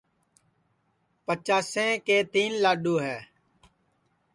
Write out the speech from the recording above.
پچاسیں کے تیں لاڈؔو ہے